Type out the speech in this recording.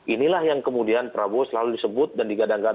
inilah yang kemudian prabowo selalu disebut dan digadang gadang